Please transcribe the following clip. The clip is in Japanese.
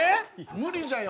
無理じゃよ。